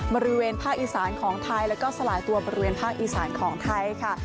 บริเวณภาคอีสานของไทยแล้วก็สลายตัวบริเวณภาคอีสานของไทยค่ะ